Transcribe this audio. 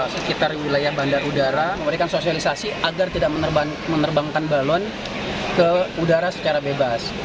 sekitar wilayah bandar udara memberikan sosialisasi agar tidak menerbangkan balon ke udara secara bebas